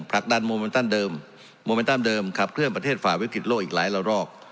ผลักดันโมเมนตันเดิมโมเมนตันเดิมขับเคลื่อนประเทศฝ่าวิกฤตโลกอีกหลายละรอก